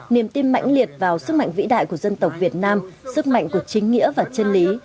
niềm tin mạnh liệt vào sức mạnh vĩ đại của dân tộc việt nam sức mạnh của chính nghĩa và chân lý